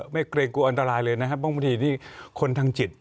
เกรงกลัวอันตรายเลยนะครับบางทีนี่คนทางจิต